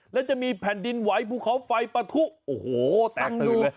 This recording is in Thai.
แล้วจะมีแผ่นดินไหวภูเขาไฟปะทุโอ้โหแตกตื่นเลย